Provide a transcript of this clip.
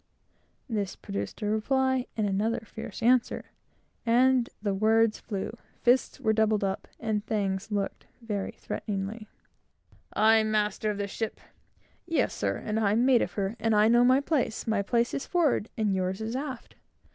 This produced a reply, and another fierce answer; and the words flew, fists were doubled up, and things looked threateningly. "I'm master of this ship." "Yes, sir, and I'm mate of her, and know my place! My place is forward, and yours is aft!"